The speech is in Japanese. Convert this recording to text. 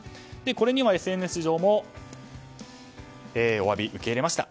これにはＳＮＳ上もお詫び受け入れました。